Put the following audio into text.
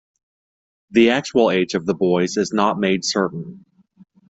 The actual age of the boys is not made certain.